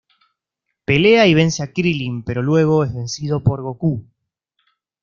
Pelea y vence a Krilin pero luego es vencido por Goku.